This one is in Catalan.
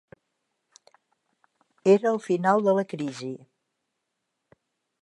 Era el final de la crisi.